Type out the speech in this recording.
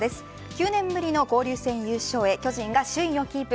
９年ぶりの交流戦優勝へ巨人が首位をキープ。